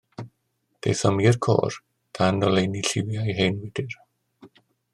Daethom i'r côr, dan oleuni lliwiau hen wydr.